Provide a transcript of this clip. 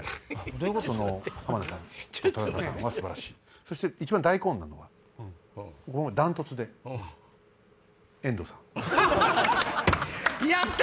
そして一番大根なのはこれもう断トツで遠藤さん。やった！